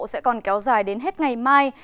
sẽ còn kéo dài đến hết ngày mai